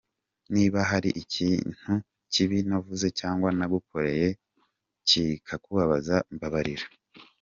Niba hari ikintu kibi navuze cyangwa nagukoreye kikakubabaza, mbabarira.